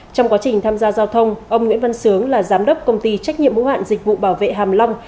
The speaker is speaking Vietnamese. trong quá trình tham gia giao thông ông nguyễn văn sướng là giám đốc công ty trách nhiệm hữu hạn dịch vụ bảo vệ hàm long